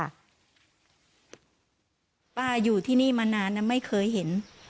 ป้าอยู่ที่นี่มานานนะไม่เคยเห็น